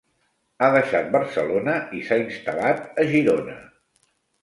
Ha deixat Barcelona i s'ha instal·lat a Girona.